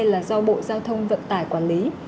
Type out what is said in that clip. là do bộ giao thông vận tải quản lý